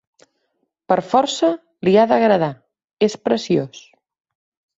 Per força li ha d'agradar: és preciós.